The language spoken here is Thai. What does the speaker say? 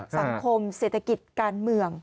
สังคมเศรษฐกิจการเมือง